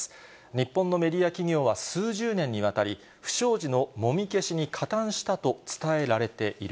日本のメディア企業は、数十年にわたり、不祥事のもみ消しに加担したと伝えられている。